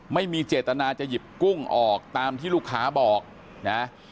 ไม่มีเจตนาจะหยิบกุ้งออกตามที่ลูกค้าบอกนะ